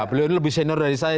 beliau ini lebih senior dari saya